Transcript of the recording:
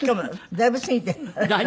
だいぶ過ぎたの。